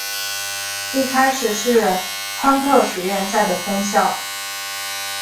一开始是亨特学院在的分校。